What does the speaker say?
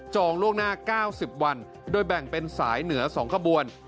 ล่วงหน้า๙๐วันโดยแบ่งเป็นสายเหนือ๒ขบวน